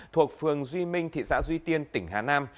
thuộc phường duy minh thị xã duy tiên tỉnh hà nam